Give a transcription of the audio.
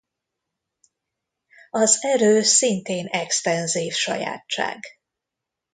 Az erő szintén extenzív sajátság.